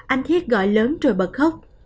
anh thiết gọi lớn rồi bật khóc